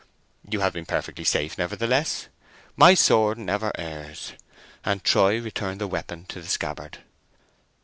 "You have been perfectly safe, nevertheless. My sword never errs." And Troy returned the weapon to the scabbard.